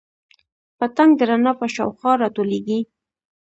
پتنګ د رڼا په شاوخوا راټولیږي